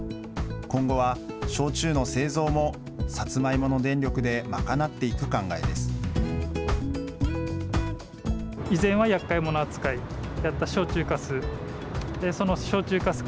今後は、焼酎の製造もサツマイモの電力で賄っていく考えです。